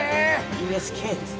ＵＳＫです。